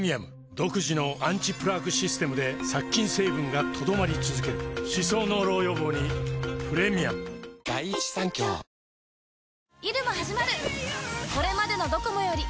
独自のアンチプラークシステムで殺菌成分が留まり続ける歯槽膿漏予防にプレミアム昨日。